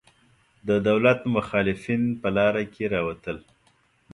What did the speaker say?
د دولت مخالفین په لاره کې راوتل.